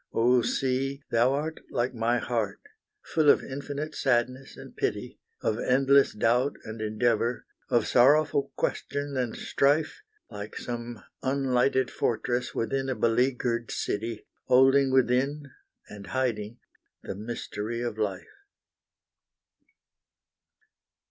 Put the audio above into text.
Oh Sea! thou art like my heart, full of infinite sadness and pity, Of endless doubt and endeavour, of sorrowful question and strife, Like some unlighted fortress within a beleagured city, Holding within and hiding the mystery of life.